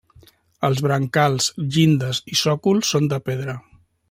Els brancals, llindes i sòcol són de pedra.